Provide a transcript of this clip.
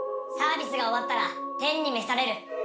サービスが終わったら天に召される。